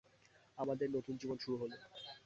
আমাদের নতুন জীবন শুরু হল।